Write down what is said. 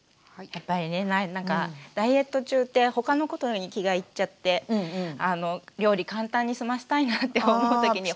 やっぱりねダイエット中って他のことに気がいっちゃって料理簡単に済ましたいなって思う時に。